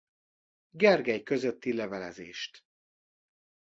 Gergely közötti levelezést.